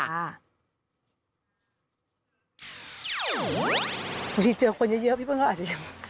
บางทีเจอคนเยอะพี่พ่อนเขาอาจจะอยู่